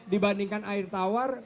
dibandingkan air tawar